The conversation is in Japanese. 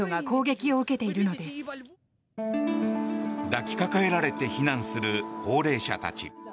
抱きかかえられて避難する高齢者たち。